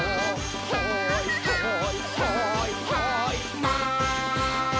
「はいはいはいはいマン」